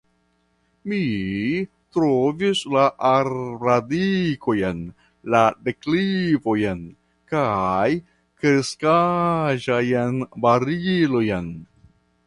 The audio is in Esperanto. Mi provis la arbradikojn, la deklivojn, kaj kreskaĵajn barilojn.